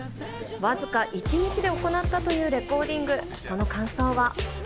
僅か１日で行ったというレコーディング、その感想は。